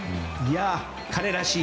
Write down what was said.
彼らしい。